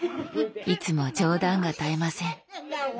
いつも冗談が絶えません。